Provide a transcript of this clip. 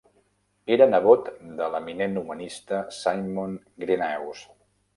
Era nebot de l'eminent humanista Simon Grynaeus.